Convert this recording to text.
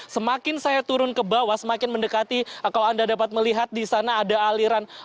semakin saya turun ke bawah semakin mendekati kalau anda dapat melihat di sana ada aliran